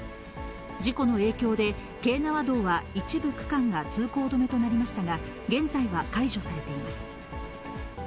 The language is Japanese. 事故の影響で、京奈和道は一部区間が通行止めとなりましたが、現在は解除されています。